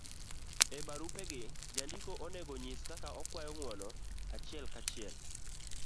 e barupe gi, jandiko onego nyis kaka okwayo ng'uono achiel ka chiel,